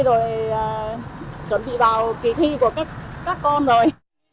rồi chuẩn bị vào kỳ thi của các con rồi